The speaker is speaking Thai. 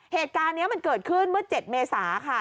เหตุการณ์นี้มันเกิดขึ้นเมื่อ๗เมษาค่ะ